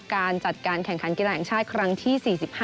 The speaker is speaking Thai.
การจัดการแข่งขันกีฬาแห่งชาติครั้งที่๔๕